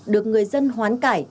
được người dân hoán cải